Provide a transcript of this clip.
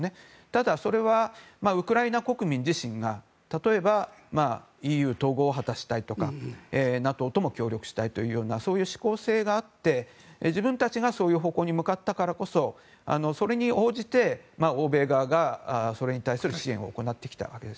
ただ、それはウクライナ国民自身が例えばＥＵ統合を果たしたいとかＮＡＴＯとも協力したいというような指向性があって自分たちがそういう方向に向かったからこそそれに応じて欧米側がそれに対する支援を行ってきた。